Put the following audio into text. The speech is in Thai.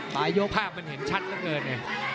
ภาพมันเห็นชัดเยอะเกิน